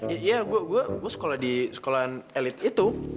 iya gue gue gue sekolah di sekolahan elit itu